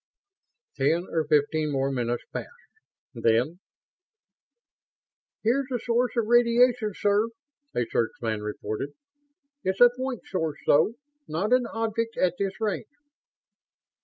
Ten or fifteen more minutes passed. Then: "Here's the source of radiation, sir," a searchman reported. "It's a point source, though, not an object at this range."